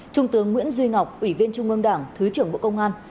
trung tướng nguyễn duy ngọc ủy viên trung ương đảng thứ trưởng bộ công an